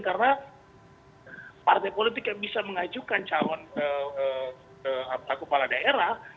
karena partai politik yang bisa mengajukan calon kepala daerah